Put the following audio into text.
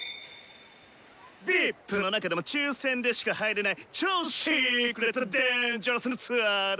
ＶＩＰの中でも抽選でしか入れない超シークレットデンジャラスなツアーだ！